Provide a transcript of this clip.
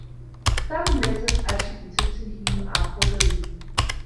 Some letters attributed to him are forgeries.